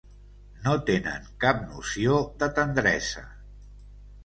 No tenen cap noció de tendresa.